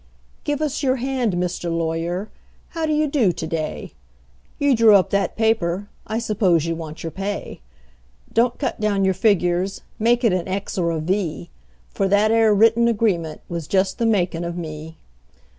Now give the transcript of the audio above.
"GIVE US YOUR HAND, MR. LAWYER: HOW DO YOU DO TO DAY?" You drew up that paper I s'pose you want your pay. Don't cut down your figures; make it an X or a V; For that 'ere written agreement was just the makin' of me.